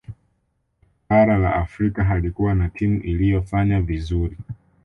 bara la afrika halikuwa na timu iliyofanya vizuri